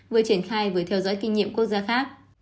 vừa triển khai vừa theo dõi kinh nghiệm quốc gia khác